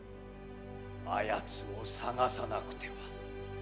あやつを捜さなくては。